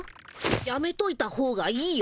やめといたほうがいいよ。